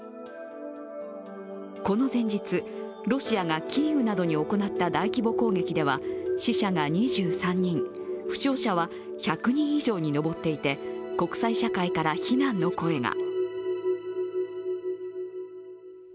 この前日、ロシアがキーウなどに行った大規模攻撃では死者が２３人負傷者は１００人以上に上っていて、国際社会から非難の声が。